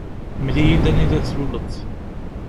Mel-iyi-d anida i tluleḍ.